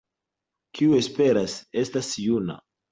Kiu esperas, estas juna.